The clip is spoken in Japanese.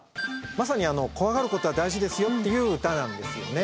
まさに怖がることは大事ですよっていう歌なんですよね。